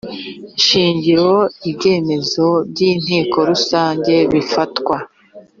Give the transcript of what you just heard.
shingiro ibyemezo by inteko rusange bifatwa